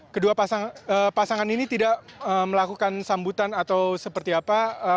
kedua pasangan ini tidak melakukan sambutan atau seperti apa